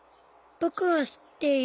ぼくはしっている。